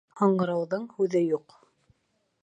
Һаңғырауҙың һүҙе юҡ.